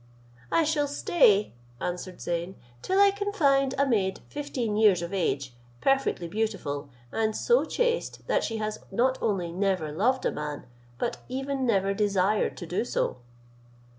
"I shall stay," answered Zeyn, "till I can find a maid fifteen years of age, perfectly beautiful, and so chaste, that she has not only never loved a man, but even never desired to do so."